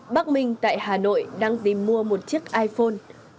bắc minh tại hà nội đang tìm mua một chiếc iphone